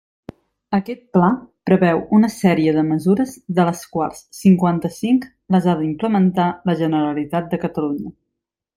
Aquest pla preveu una sèrie de mesures, de les quals cinquanta-cinc les ha d'implementar la Generalitat de Catalunya.